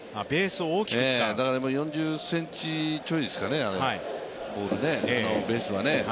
４０ｃｍちょいですかね、ベースは。